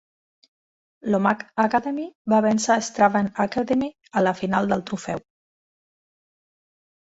L'Omagh Academy va vèncer Strabane Academy a la final del Trofeu.